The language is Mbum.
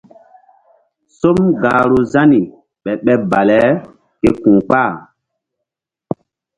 Som gahru Zani ɓeɓ ɓeɓ bale ke ku̧ kpah.